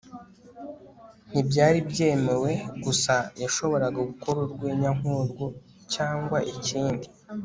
ntibyari byemewe. gusa yashoboraga gukora urwenya nkurwo - cyangwa ikindi